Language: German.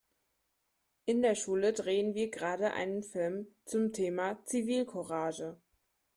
In der Schule drehen wir gerade einen Film zum Thema Zivilcourage.